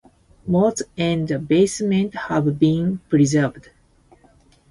Moats and the basement have been preserved.